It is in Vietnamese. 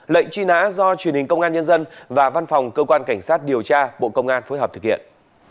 lệnh truy nã do truyền hình công an nhân dân và văn phòng cơ quan cảnh sát điều tra bộ công an phối hợp thực hiện